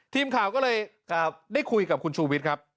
ทีมข่าวก็เลยได้คุยกับคุณชูวิทย์ครับ